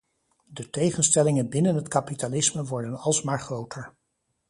De tegenstellingen binnen het kapitalisme worden alsmaar groter.